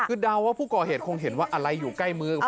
คือเดาว่าผู้ก่อเหตุคงเห็นว่าอะไรอยู่ใกล้มือ